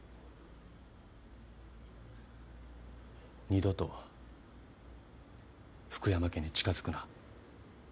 二度と福山家に近づくな。